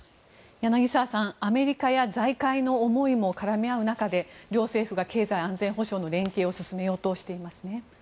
柳澤さん、アメリカや財界の思いも絡み合う中で両政府が経済安全保障の連携を進めようとしていますね。